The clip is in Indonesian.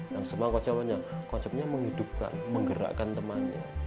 yang semua konsepnya konsepnya menghidupkan menggerakkan temannya